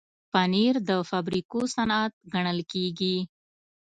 پنېر د فابریکو صنعت ګڼل کېږي.